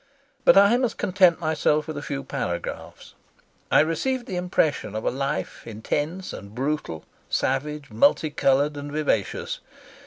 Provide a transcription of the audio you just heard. But I must content myself with a few paragraphs. I received the impression of a life intense and brutal, savage, multicoloured, and vivacious.